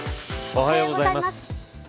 おはようございます。